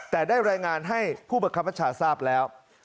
แต่ได้รายงานให้ผู้บังคับบัญชาทราบแล้ว